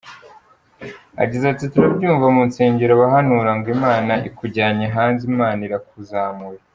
Yagize ati “Turabyumva mu nsengero abahanura ngo Imana ikujyanye hanze, Imana irakuzamuye.